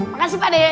makasih pak d